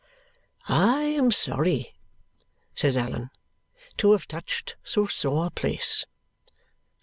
"I am sorry," says Allan, "to have touched so sore a place."